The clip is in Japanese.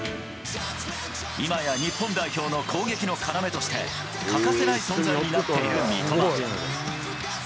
今や日本代表の攻撃の要として、欠かせない存在になっている三笘。